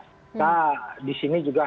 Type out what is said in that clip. kita di sini juga